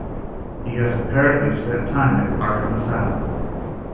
He has apparently spent time at Arkham Asylum.